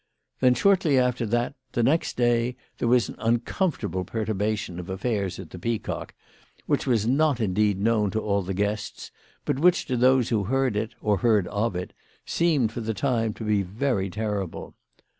Then, shortly after that, the next day, there was an uncomfortable perturbation of affairs at the Peacock, which was not indeed known to all the guests, but which to those who heard it, or heard of it, seemed for the time to be very terrible.